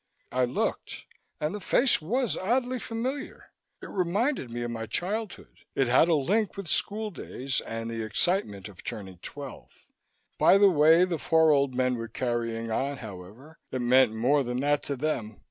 I looked and the face was oddly familiar. It reminded me of my childhood; it had a link with school days and the excitement of turning twelve. By the way the four old men were carrying on, however, it meant more than that to them.